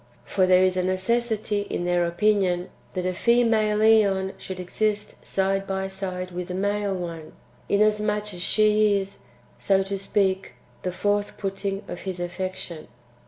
For there is a necessity in their opinion, that a female ^on should exist side by side with a male one, inasmuch as she is, so to speak, [the forth putting of] his affection.